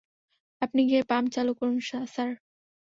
আপনি গিয়ে পাম্প চালু করুন, স্যার।